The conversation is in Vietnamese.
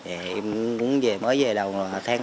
em muốn về mới về đầu tháng tám hai nghìn một mươi năm